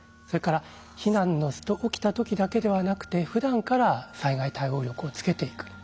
それから避難の起きた時だけではなくてふだんから災害対応力をつけていく。